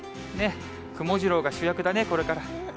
くもジローが主役だね、これから。